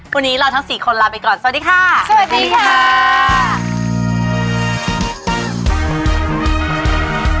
วันนี้เราทั้ง๔คนลาไปก่อนสวัสดีค่ะ